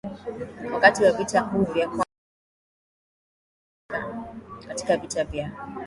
Wakati wa Vita Kuu ya Kwanza ya Duniaa hakushiriki katika vita ya